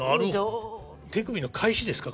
手首の返しですか？